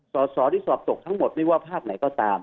สอสอที่สอบตกทั้งหมดไม่ว่าภาคไหนก็ตาม